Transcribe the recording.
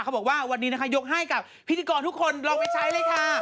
บอกว่าวันนี้นะคะยกให้กับพิธีกรทุกคนลองไปใช้เลยค่ะ